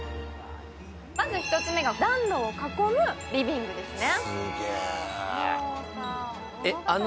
まず１つ目が暖炉を囲むリビングですね。